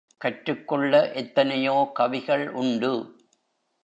கற்றுக் கொள்ள எத்தனையோ கவிகள் உண்டு.